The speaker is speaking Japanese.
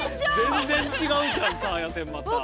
全然違うじゃんサーヤ線また。